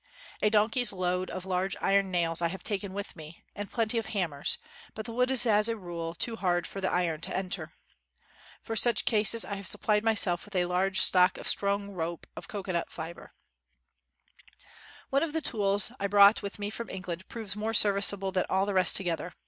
A donkey's load of large iron nails I have taken with me, and plenty of hammers, but the wood is as a rule too hard for the iron to enter. For such cases, I have supplied myself with a large stock of strong rope of cocoanut fiber. '' One of the tools I brought with me from England proves more serviceable than all the rest together.